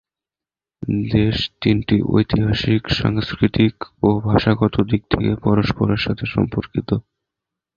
দেশ তিনটি ঐতিহাসিক, সাংস্কৃতিক ও ভাষাগত দিক থেকে পরস্পরের সাথে সম্পর্কিত।